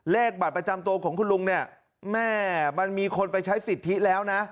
เลขบัตรประจำตัวของคุณลุงเนี่ยแม่มันมีคนไปใช้สิทธิแล้วนะ